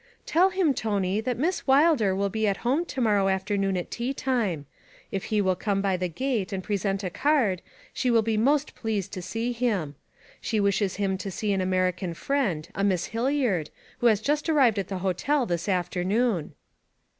'Tell him, Tony, that Miss Wilder will be at home to morrow afternoon at tea time; if he will come by the gate and present a card she will be most pleased to see him. She wishes him to meet an American friend, a Miss Hilliard, who has just arrived at the hotel this afternoon.'